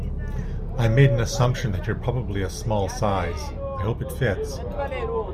I made an assumption that you're probably a small size, I hope it fits!.